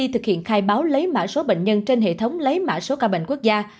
thực hiện khai báo lấy mã số bệnh nhân trên hệ thống lấy mã số ca bệnh quốc gia